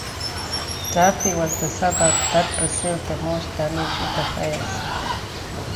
Duffy was the suburb that received the most damage in the fires.